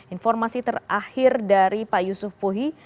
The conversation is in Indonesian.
informasi terakhir dari pak yusuf puhi